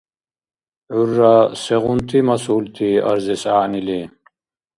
ГӀурра сегъунти масъулти арзес гӀягӀнили?